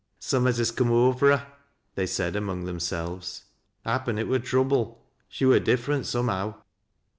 " Summat has coom over her," they said among them iselves. "Happen it wur trouble. She wur different, somehow."